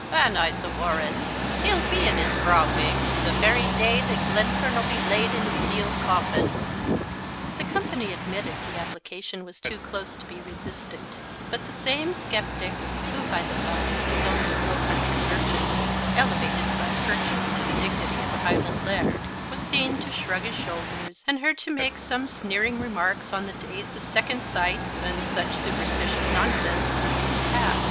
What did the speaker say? an' I'se warran' he'll be in his braw wig the very day that Glenfern'll be laid in his deal coffin." The company admitted the application was too close to be resisted; but the same sceptic (who, by the bye, was only a low country merchant, elevated by purchase to the dignity of a Highland laird) was seen to shrug his shoulders, and hear to make some sneering remarks on the days of second sights and such superstitious nonsense being past.